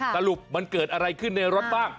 สรุปมันเกิดอะไรขึ้นในรถบ้าง